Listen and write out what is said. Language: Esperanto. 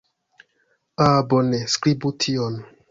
Ah, bone. Skribu tion.